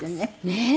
ねえ。